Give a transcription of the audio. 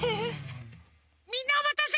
みんなおまたせ！